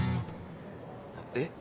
えっ？